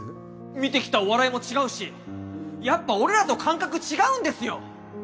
見てきたお笑いも違うしやっぱ俺らと感覚違うんですよ！